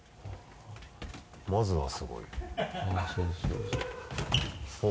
まずはすごいね。